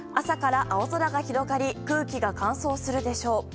朝から青空が広がり空気が乾燥するでしょう。